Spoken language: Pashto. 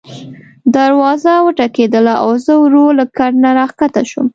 دروازه وټکېدله او زه ورو له کټ نه راکښته شوم.